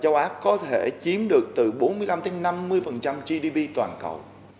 châu á có thể chiếm được từ bốn mươi năm năm mươi gdp toàn cầu